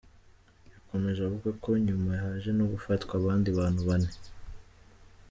Yakomeje avuga ko nyuma haje no gufatwa abandi bantu bane.